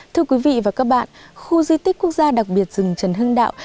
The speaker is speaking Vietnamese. thưa quý vị và các bạn khu di tích quốc gia đặc biệt rừng trần hưng đạo